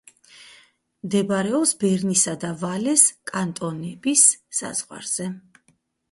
მდებარეობს ბერნისა და ვალეს კანტონების საზღვარზე.